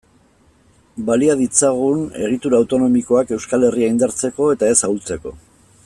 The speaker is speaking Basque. Balia ditzagun egitura autonomikoak Euskal Herria indartzeko eta ez ahultzeko.